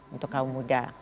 untuk kaum muda